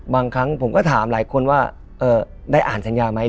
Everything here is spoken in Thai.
บางครั้งผมก็ถามหลายคนว่าได้อ่านสัญญาไหม